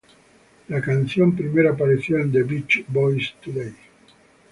La canción primero apareció en "The Beach Boys Today!